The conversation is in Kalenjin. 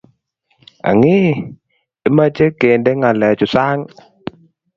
Ang'ii, imoche kende ngalechu sang?